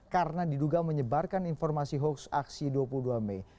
karena diduga menyebarkan informasi hukus aksi dua puluh dua mei